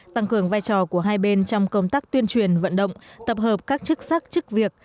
tăng cường vai trò của hai bên trong công tác tuyên truyền vận động tập hợp các chức sắc chức việc